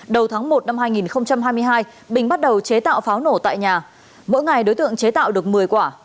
đầu tháng một năm hai nghìn hai mươi hai bình bắt đầu chế tạo pháo nổ tại nhà mỗi ngày đối tượng chế tạo được một mươi quả